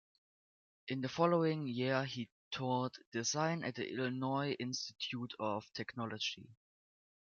In the following year he taught design at the Illinois Institute of Technology.